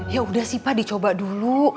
ya udah sih pak dicoba dulu